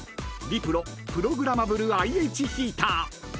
プログラマブルＩＨヒーター］